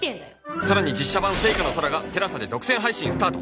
さらに実写版『ＳＥＩＫＡ の空』が ＴＥＬＡＳＡ で独占配信スタート。